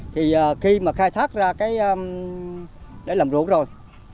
thì khi mà khai thác ra cái để làm ruộng rồi